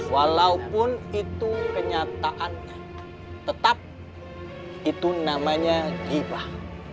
walaupun itu kenyataannya tetap itu namanya gibah